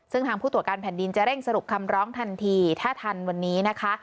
ซึ่งทางผู้ตรวจการแผ่นดินจะเร่งสรุปคำร้องทันทีถ้าทันวันนี้นะคะ